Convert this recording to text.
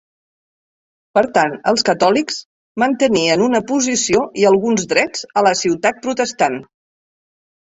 Per tant, els catòlics mantenien una posició i alguns drets a la ciutat protestant.